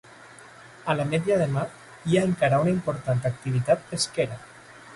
A l'Ametlla de mar hi ha encara una important activitat pesquera